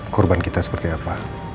kurban kita seperti apa